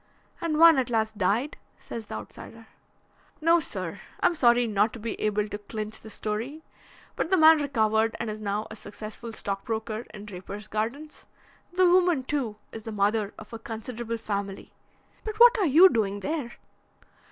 "And one at last died," says the outsider. "No, sir. I'm sorry not to be able to clinch the story, but the man recovered and is now a successful stockbroker in Drapers Gardens. The woman, too, is the mother of a considerable family. But what are you doing there?"